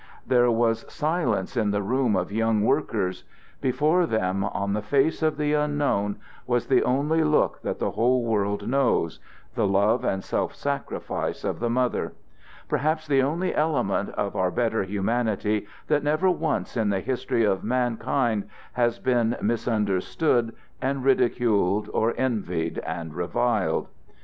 There was silence in the room of young workers. Before them, on the face of the unknown, was the only look that the whole world knows the love and self sacrifice of the mother; perhaps the only element of our better humanity that never once in the history of mankind has been misunderstood and ridiculed or envied and reviled.